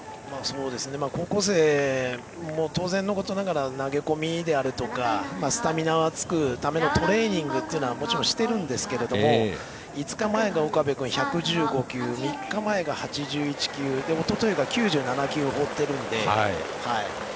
高校生も当然のことながら投げ込みであるとかスタミナがつくためのトレーニングはしているんですけど５日前の岡部君、１１５球３日前が１１８球おとといが９８球放っているので。